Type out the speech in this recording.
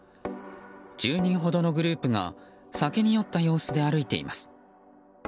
１０人ほどのグループが酒に酔った様子で歩いています。